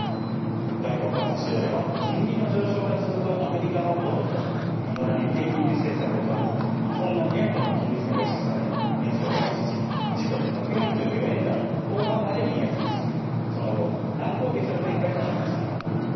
外国為替市場では金利の上昇が続くアメリカのドルといまだに低金利政策をとる日本の円との金利差が意識され、円相場は一時、１ドル＝１４４円台後半まで円安に進み、その後、乱高下する展開となりました。